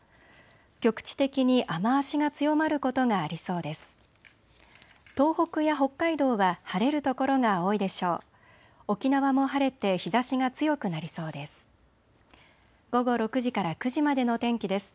局地的に雨足が強まることがありそうです。